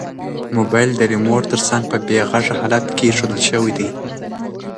موبایل د ریموټ تر څنګ په بې غږه حالت کې ایښودل شوی دی.